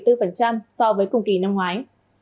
tăng bốn mươi bốn so với cùng kỳ năm ngoái